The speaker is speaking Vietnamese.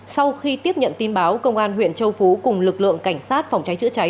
sau khi tiếp nhận tin báo công an huyện châu phú cùng lực lượng cảnh sát phòng cháy chữa cháy